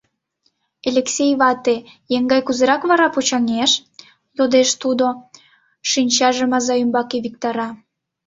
— Элексей вате еҥгай кузерак вара почаҥеш? — йодеш тудо, шинчажым аза ӱмбаке виктара.